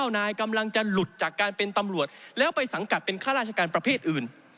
นายกำลังจะหลุดจากการเป็นตำรวจแล้วไปสังกัดเป็นข้าราชการประเภทอื่น